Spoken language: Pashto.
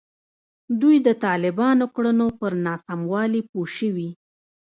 دوی د طالبانو کړنو پر ناسموالي پوه شوي.